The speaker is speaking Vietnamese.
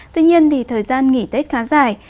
tuy nhiên thì thời gian nghỉ tết khá dài